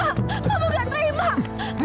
mama gak terima